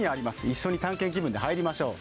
一緒に探検気分で入りましょう。